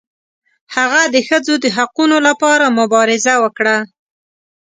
هغه د ښځو د حقونو لپاره مبارزه وکړه.